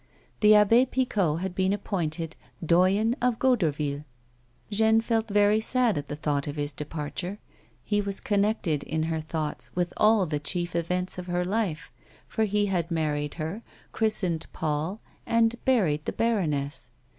The Abbe Picot had been appointed doyen of Goderville. Jeanne felt very sad at the thought of his departure ; he was connected, in her thoughts, with all the chief events of her life, for he had married her, christened Paul, and buried the baroness.